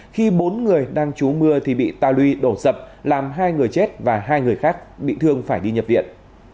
khi bốn người đang trú mưa thì bị tàu luy đổ sập làm hai người chết và hai người khác bị thương phải đi nhập viện